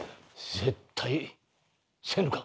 絶対せぬか？